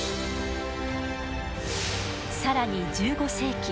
更に１５世紀